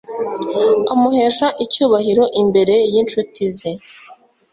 amuhesha icyubahiro imbere y'incuti ze